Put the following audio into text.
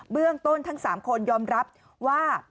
เรื่องต้นทั้ง๓คนยอมรับว่า